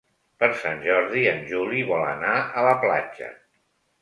Per Sant Jordi en Juli vol anar a la platja.